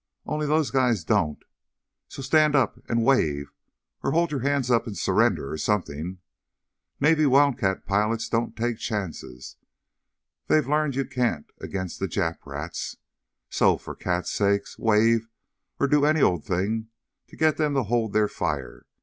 Only those guys don't. So stand up and wave, or hold your hands up in surrender, or something. Navy Wildcat pilots don't take chances. They've learned you can't against the Jap rats. So, for cat's sake, wave, or do any old thing to get them to hold their fire.